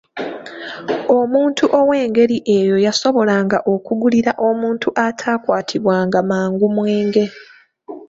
Omuntu ow’engeri eyo yasobolanga okugulirira omuntu atakwatibwanga mangu mwenge.